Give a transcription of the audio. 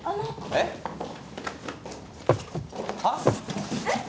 えっ？はっ？えっ？